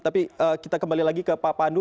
tapi kita kembali lagi ke pak pandu